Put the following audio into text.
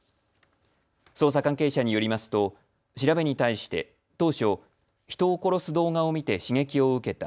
捜査関係者によりますと調べに対して当初、人を殺す動画を見て刺激を受けた。